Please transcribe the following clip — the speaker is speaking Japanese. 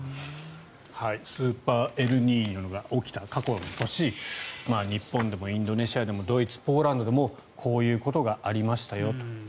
スーパーエルニーニョが起きた過去の年日本でもインドネシアでもドイツ、ポーランドでもこういうことがありましたよと。